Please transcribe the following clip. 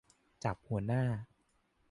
จับหัวหน้า